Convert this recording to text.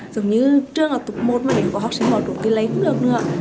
giống như trường là tục môn mà nếu có học sinh bỏ trốn thì lấy cũng được nữa